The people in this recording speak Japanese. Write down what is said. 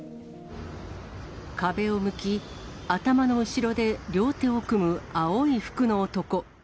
壁を向き、頭の後ろで両手を組む青い服の男。